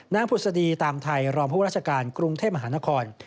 นางพุษฎีตามไทยรอมพวกราชการกรุงเทพมหานคร